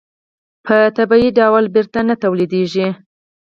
په طبیعي ډول بېرته نه تولیدېږي.